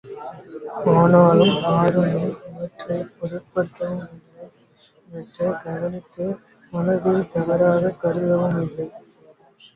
ஆனாலும் ஆருணி இவற்றைப் போருட்படுத்தவும் இல்லை இவற்றைக் கவனித்து மனத்தில் தவறாகக் கருதவும் இல்லை.